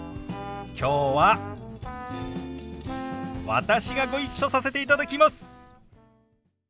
きょうは私がご一緒させていただきます。